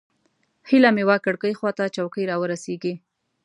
هیله مې وه کړکۍ خوا ته چوکۍ راورسېږي.